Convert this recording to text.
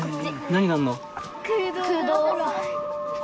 何があんの？